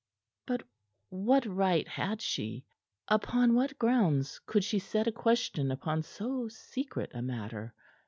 But what right had she? Upon what grounds could she set a question upon so secret a matter?